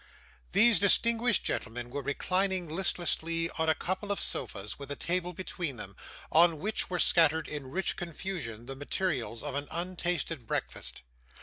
These distinguished gentlemen were reclining listlessly on a couple of sofas, with a table between them, on which were scattered in rich confusion the materials of an untasted breakfast.